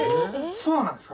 そうなんですね。